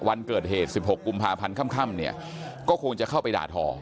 วันเกิดเหตุ๑๖กุมภาพันธ์ค่ำเนี่ยก็คงจะเข้าไปด่าทอ